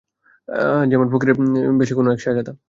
যেমন ফকিরের বেশে কোন এক শাহজাদা।